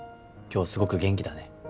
今日すごく元気だね